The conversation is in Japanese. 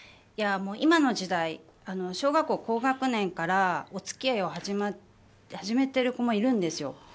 今の時代、小学校高学年からお付き合いを始めている子もいるんですよ。